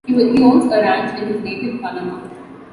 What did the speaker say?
He owns a ranch in his native Panama.